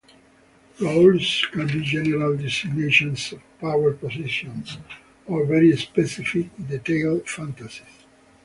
Roles can be general designations of power positions, or very specific, detailed fantasies.